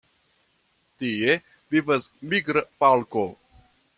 Tie vivas migra falko.